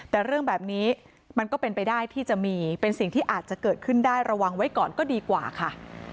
แต่เรื่องแบบนี้มันก็เป็นไปได้ที่จะมีเป็นสิ่งที่อาจจะเกิดขึ้นได้ระวังไว้ก่อนก็ดีกว่าค่ะ